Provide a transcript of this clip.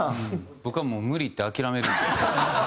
僕はもう無理って諦めるんで。